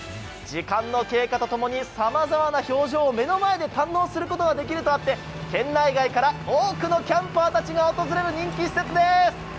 時間の経過とともに、さまざまな表情を目の前で堪能することができるとあって県内外から多くのキャンパーたちが訪れる人気施設です。